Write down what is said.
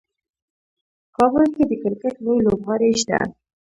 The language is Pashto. کابل کې د کرکټ لوی لوبغالی شته.